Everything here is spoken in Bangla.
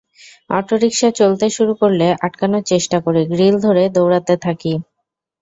অটোরিকশা চলতে শুরু করলে আটকানোর চেষ্টা করি, গ্রিল ধরে দৌড়াতে থাকি।